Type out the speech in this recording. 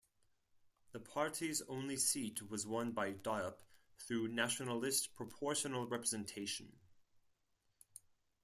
The party's only seat was won by Diop through national list proportional representation.